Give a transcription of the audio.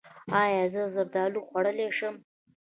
ایا زه زردالو خوړلی شم؟